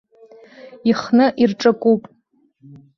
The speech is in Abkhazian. Ихны ирҿакуп.